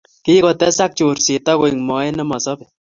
Kikotes ak chorset akoek moet nemosobeii